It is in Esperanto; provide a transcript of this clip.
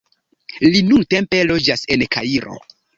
Li nuntempe loĝas en Kairo.